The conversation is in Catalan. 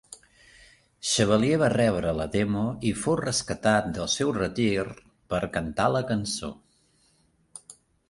Chevalier va rebre la demo i fou rescatat del seu retir per cantar la cançó.